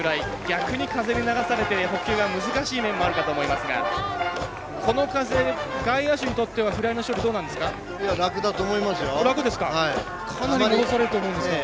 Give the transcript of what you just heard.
逆に風に流されて捕球は難しい面もあるかと思いますがこの風、外野手にとってはフライの処理はいかがですか？